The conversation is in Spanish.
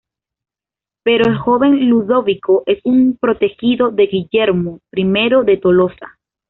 Pero el joven Ludovico es un protegido de Guillermo I de Tolosa.